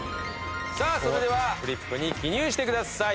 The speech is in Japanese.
さあそれではフリップに記入してください。